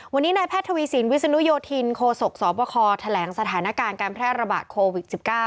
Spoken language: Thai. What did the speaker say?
วันนี้นายแพทย์ทวีสินวิศนุโยธินโคศกสบคแถลงสถานการณ์การแพร่ระบาดโควิด๑๙